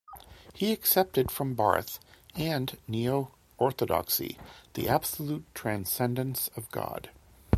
He accepted from Barth and neo-orthodoxy the absolute transcendence of God.